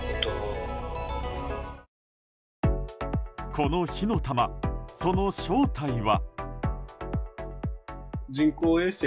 この火の玉、その正体は？